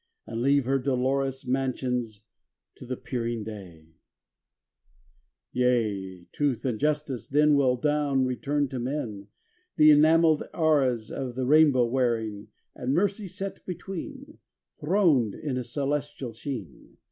And leave her dolorous mansions to the peering day. 590 ON THE MORNING OF CHRIST'S NATIVITY XV Yea, Truth and Justice then Will down return to men, The enameled arras of the rainbow wearing; And Mercy set between, Throned in celestial sheen.